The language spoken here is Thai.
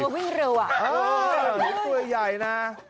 วิ่งตัวใหญ่นะ